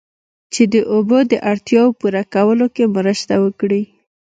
چې د اوبو د اړتیاوو پوره کولو کې مرسته وکړي